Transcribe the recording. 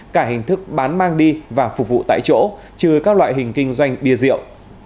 cả hình thức bán mang đi và phục vụ tại chỗ trừ các loại hình kinh doanh bia rượu